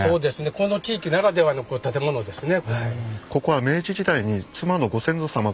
この地域ならではの建物ですね。